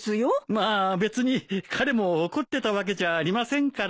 まあ別に彼も怒ってたわけじゃありませんから。